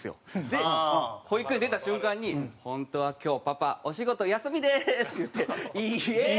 で保育園出た瞬間に「本当は今日パパお仕事休みでーす！」って言って「イエーイ！」